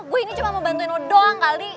gue ini cuma mau bantuin lo doang kali